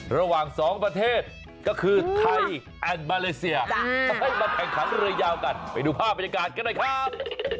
ระหว่างสองประเทศก็คือไทยแอนด์มาเลเซียให้มาแข่งขันเรือยาวกันไปดูภาพบรรยากาศกันหน่อยครับ